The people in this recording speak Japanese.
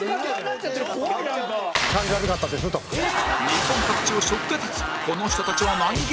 日本各地を背負って立つこの人たちは何芸人？